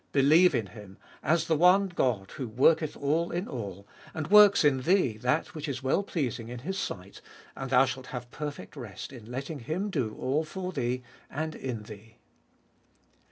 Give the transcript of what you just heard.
Believe in Him, as the one God who worheth all in all, and worhs in thee that which is well pleasing in His sight, and thou shalt have perfect rest in letting Him do all for thee and in thee.